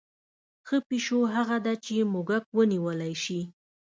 ښه پیشو هغه ده چې موږک ونیولی شي.